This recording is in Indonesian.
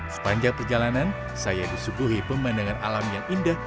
sepanjang perjalanan saya disuguhi pemandangan alam yang indah